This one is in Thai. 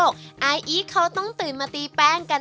ทำมาแล้ว๖๐ปีนะครับ